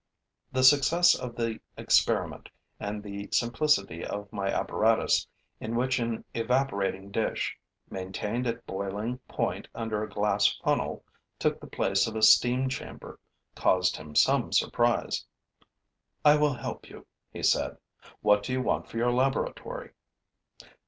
The success of the experiment and the simplicity of my apparatus, in which an evaporating dish, maintained at boiling point under a glass funnel, took the place of a steam chamber, caused him some surprise. 'I will help you,' he said. 'What do you want for your laboratory?'